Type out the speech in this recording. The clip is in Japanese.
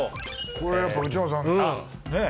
これやっぱ内村さんねぇ。